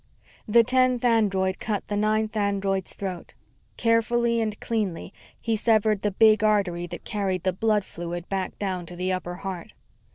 The tenth android cut the ninth android's throat. Carefully and cleanly, he severed the big artery that carried the blood fluid back down to the upper heart.